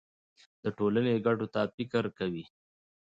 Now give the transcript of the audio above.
د ټولنې ګټو ته فکر کوي.